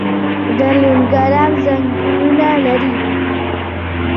د نورګرام ځنګلونه لري